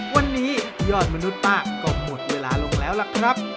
วันนี้ยอดมนุษย์ป้าก็หมดเวลาลงแล้วล่ะครับ